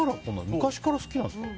昔から好きなんですか？